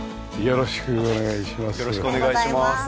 よろしくお願いします。